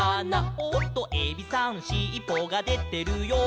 「おっとエビさんしっぽがでてるよ」